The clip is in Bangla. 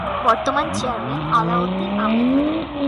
বর্তমান চেয়ারম্যান: আলাউদ্দীন আমীন